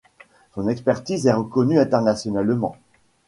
Son expertise est reconnue internationalement.